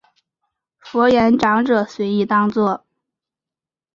佛言长者随意当作。